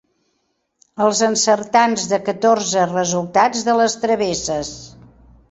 Els encertants de catorze resultats de les travesses.